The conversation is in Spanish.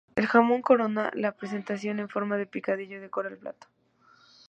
El jamón corona la presentación en forma de picadillo decora el plato.